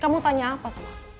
kamu tanya apa semua